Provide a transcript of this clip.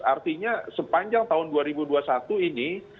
artinya sepanjang tahun dua ribu dua puluh satu ini